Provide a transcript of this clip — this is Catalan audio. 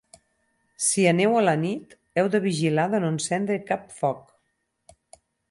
Si aneu a la nit, heu de vigilar de no encendre cap foc.